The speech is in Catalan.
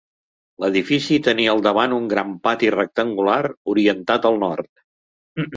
L'edifici tenia al davant un gran pati rectangular orientat al nord.